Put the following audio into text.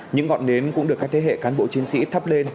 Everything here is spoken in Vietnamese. những ngọn nến cũng được các thế hệ cán bộ chiến sĩ thắp lên